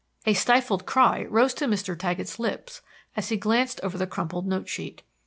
A stifled cry rose to Mr. Taggett's lips as he glanced over the crumpled note sheet.